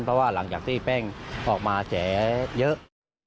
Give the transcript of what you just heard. เพราะว่าหลังจากที่เป้งออกมาแฉเยอะ